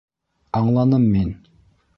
Аңланым мин.